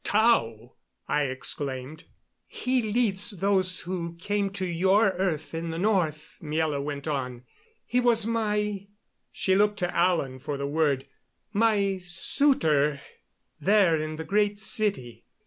"Tao!" I exclaimed. "He leads those who came to your earth in the north," Miela went on. "He was my" she looked to Alan for the word "my suitor there in the Great City.